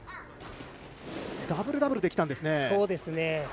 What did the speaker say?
ダブルダブルできたんですね。